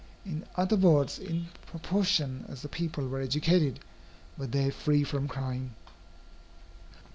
In other words, in proportion as the people were educated, were they free from crime.